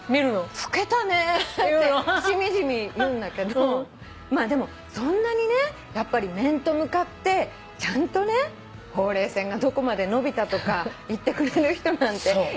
「老けたね」ってしみじみ言うんだけどでもそんなに面と向かってちゃんとねほうれい線がどこまでのびたとか言ってくれる人なんていないじゃない。